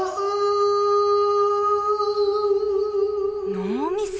ノーミス。